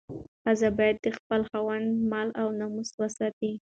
ښځه باید د خپل خاوند مال او ناموس وساتي.